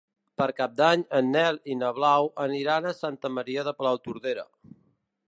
Per Cap d'Any en Nel i na Blau aniran a Santa Maria de Palautordera.